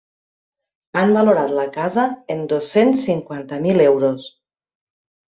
Han valorat la casa en dos-cents cinquanta mil euros.